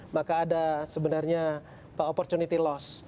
maka ada sebenarnya opportunity loss